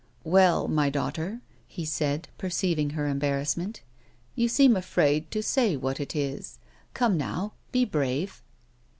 " Well, my daughter," he said, perceiving her embarrassment, "you seem afraid to say what it is; come now, be brave."